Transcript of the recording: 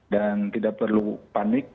dan tidak perlu panik